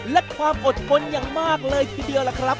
และความอดทนอย่างมากเลยทีเดียวล่ะครับ